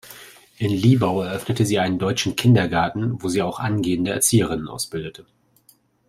In Libau eröffnete sie einen deutschen Kindergarten, wo sie auch angehende Erzieherinnen ausbildete.